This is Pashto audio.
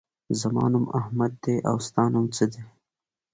زما نوم احمد دی. او ستا نوم څه دی؟